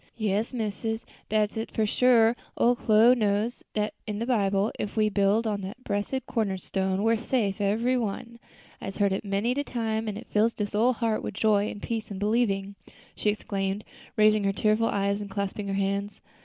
"Yes, missus, dat's it for sure; ole Chloe knows dat's in de Bible; an' if we be built on dat bressed corner stone, we's safe ebery one; I'se heard it many's de time, an' it fills dis ole heart with joy an' peace in believing," she exclaimed, raising her tearful eyes and clasping her hands.